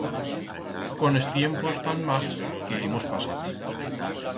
Con es tiempos tan mals que hemos pasato...